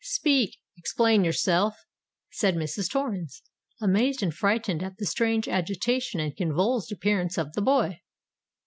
"Speak—explain yourself!" said Mrs. Torrens, amazed and frightened at the strange agitation and convulsed appearance of the boy.